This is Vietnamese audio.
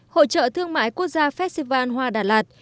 hội trợ thương mại quốc gia festival hoa đà lạt